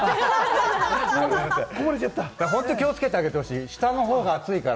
本当に気をつけてあげてほしい。